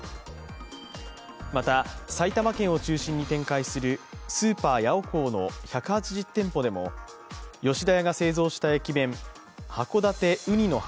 また、埼玉県を中心に展開するスーパー、ヤオコーの１８０店舗でも吉田屋が製造した駅弁函館うにの箱